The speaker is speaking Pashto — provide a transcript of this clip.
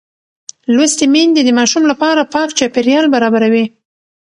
لوستې میندې د ماشوم لپاره پاک چاپېریال برابروي.